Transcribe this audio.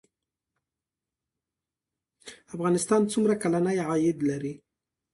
افغانستان څومره کلنی عاید لري؟